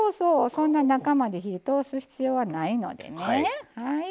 そんな中まで火通す必要はないのでね。